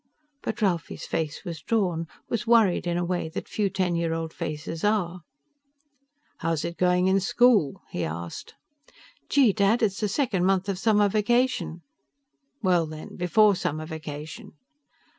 But Ralphie's face was drawn, was worried in a way that few ten year old faces are. "How's it going in school?" he asked. "Gee, Dad, it's the second month of summer vacation." "Well, then, before summer vacation?"